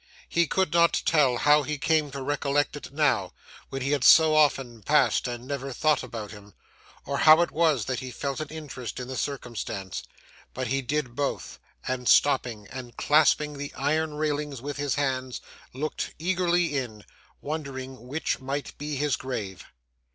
He could not tell how he came to recollect it now, when he had so often passed and never thought about him, or how it was that he felt an interest in the circumstance; but he did both; and stopping, and clasping the iron railings with his hands, looked eagerly in, wondering which might be his grave.